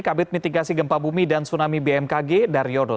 kabinet mitigasi gempa bumi dan tsunami bmkg dari yodo